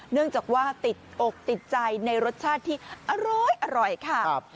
เนื่องจากว่าติดอกติดใจในรสชาติที่อร้อยค่ะ